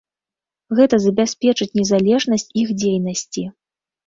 Гэта забяспечыць незалежнасць іх дзейнасці.